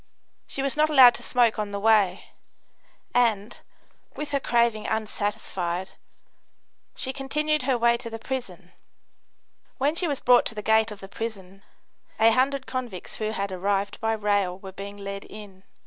She was not allowed to smoke on the way, and, with her craving unsatisfied, she continued her way to the prison. When she was brought to the gate of the prison, a hundred convicts who had arrived by rail were being led in.